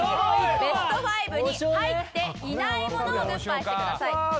ベスト５に入っていないものをグッバイしてください。